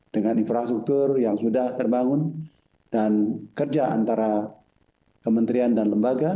dengan infrastruktur yang sudah terbangun dan kerja antara kementerian dan lembaga